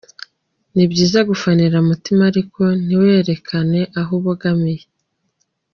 Ni byiza gufanira mu mutima ariko ntiwerekane aho ubogamiye.